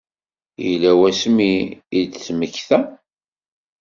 Yella wasmi i d-temmekta?